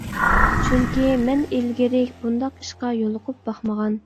چۈنكى مەن ئىلگىرى بۇنداق ئىشقا يولۇقۇپ باقمىغان.